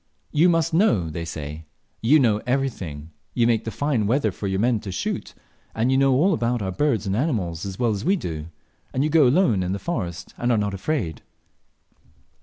"You must know," say they; "you know everything: you make the fine weather for your men to shoot, and you know all about our birds and our animals as well as we do; and you go alone into the forest and are not afraid."